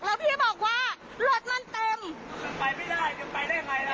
แล้วพี่บอกว่ารถมันเต็มจะไปไม่ได้จะไปได้ยังไงล่ะ